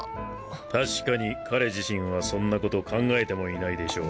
確かに彼自身はそんなこと考えてもいないでしょう。